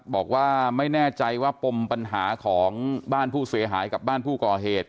บอกว่าไม่แน่ใจว่าปมปัญหาของบ้านผู้เสียหายกับบ้านผู้ก่อเหตุ